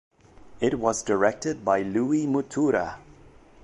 It was directed by Luis Mottura.